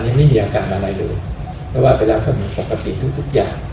ยังไม่มีอาการอะไรเลยเพราะว่าเวลาคนปกติทุกทุกอย่าง